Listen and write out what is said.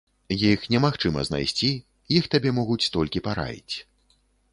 Іх немагчыма знайсці, іх табе могуць толькі параіць.